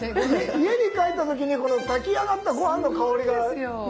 家に帰った時に炊き上がったゴハンの香りがね